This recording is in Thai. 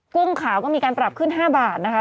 กุ้งขาวก็มีการปรับขึ้น๕บาทนะคะ